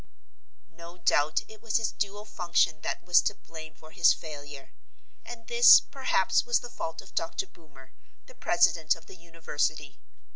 No doubt it was his dual function that was to blame for his failure. And this, perhaps, was the fault of Dr. Boomer, the president of the university.